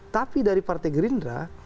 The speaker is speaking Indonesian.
tapi dari partai gerindra